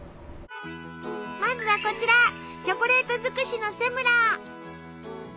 まずはこちらチョコレート尽くしのセムラ。